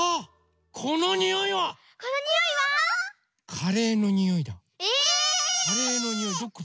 ⁉カレーのにおいどこだ？